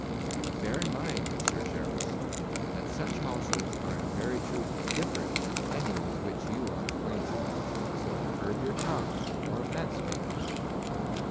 But bear in mind, Sir Gervas, that such households are in very truth different to any with which you are acquainted, so curb your tongue or offence may come of it.